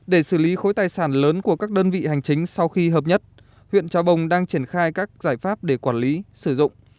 để xử lý khối tài sản lớn của các đơn vị hành chính sau khi hợp nhất huyện trà bồng đang triển khai các giải pháp để quản lý sử dụng